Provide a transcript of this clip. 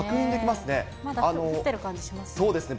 まだ降ってる感じしますね。